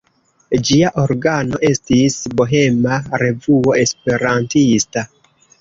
Ĝia organo estis Bohema Revuo Esperantista.